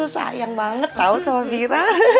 sayang banget tau sama mira